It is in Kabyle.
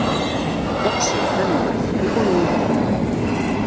Ddeqs-iw, tanemmirt. I kenwi?